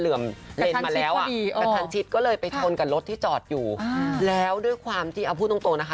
อุ้มแล้วอ๋อเลยเป็นของกันรถที่จอดอยู่แล้วด้วยความที่พูดตรง